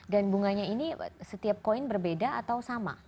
dan bunganya ini setiap koin berbeda atau sama